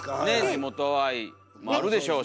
地元愛もあるでしょうし。